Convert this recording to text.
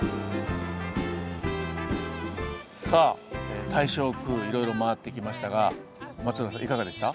さあ大正区いろいろ回ってきましたが松浦さんいかがでした？